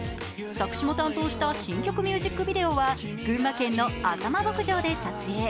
作詞も担当した新曲ミュージックビデオは群馬県の浅間牧場で撮影。